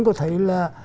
anh có thấy là